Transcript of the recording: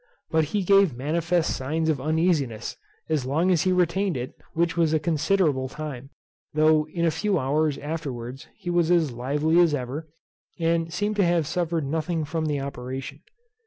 But he gave manifest signs of uneasiness, as long as he retained it, which was a considerable time, though in a few hours afterwards he was as lively as ever, and seemed to have suffered nothing from the operation.